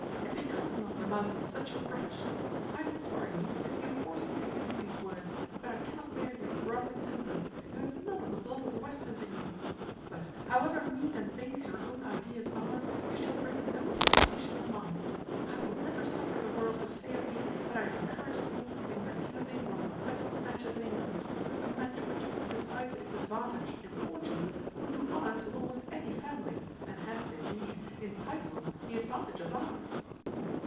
"It becomes not the mouth of such a wretch. I am sorry, niece, you force me to use these words, but I cannot bear your groveling temper; you have none of the blood of the Westerns in you. But, however mean and base your own ideas are, you shall bring no imputation on mine. I will never suffer the world to say of me that I encouraged you in refusing one of the best matches in England; a match which, besides its advantage in fortune, would do honour to almost any family, and hath, indeed, in title, the advantage of ours."